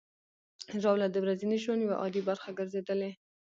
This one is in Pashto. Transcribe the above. ژاوله د ورځني ژوند یوه عادي برخه ګرځېدلې.